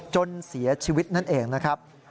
จนเสียชีวิตนั่นเองนะครับ